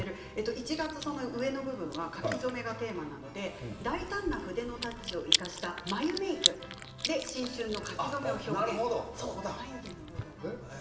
１月の上の部分は書き初めがテーマなので大胆な筆のタッチを生かした眉メークで新春の書き初めを表現したということです。